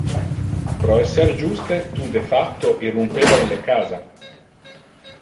Pro esser juste, tu de facto irrumpeva in le casa.